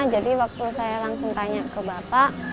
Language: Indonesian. jadi waktu saya langsung tanya ke bapak